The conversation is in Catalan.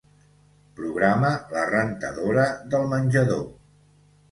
Programa la rentadora del menjador.